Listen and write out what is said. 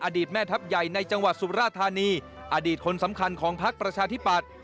แม่ทัพใหญ่ในจังหวัดสุราธานีอดีตคนสำคัญของพักประชาธิปัตย์